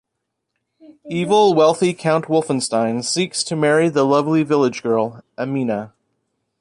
Evil, wealthy Count Wolfenstein seeks to marry the lovely village girl, Amina.